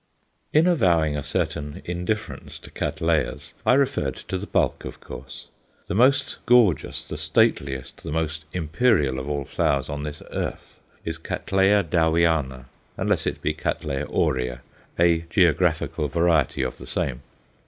In avowing a certain indifference to Cattleyas, I referred to the bulk, of course. The most gorgeous, the stateliest, the most imperial of all flowers on this earth, is C. Dowiana unless it be C. aurea, a "geographical variety" of the same.